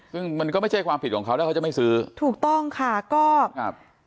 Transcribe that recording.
ซึ่งมันก็ไม่ใช่ความผิดของเขาถ้าเขาจะไม่ซื้อถูกต้องค่ะก็ครับ